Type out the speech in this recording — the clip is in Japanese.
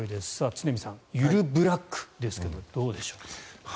常見さんゆるブラックですがどうでしょうか。